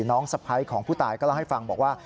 สะพ้ายของผู้ตายก็เล่าให้ฟังบอกว่า